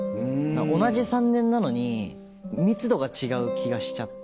同じ３年なのに密度が違う気がしちゃって。